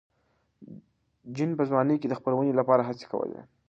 جین په ځوانۍ کې د خپرونې لپاره هڅې کولې.